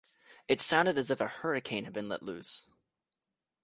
It sounded as if a hurricane had been let loose.